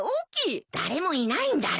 誰もいないんだろ。